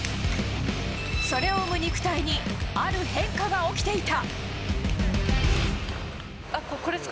それを生む肉体にある変化が起きていた。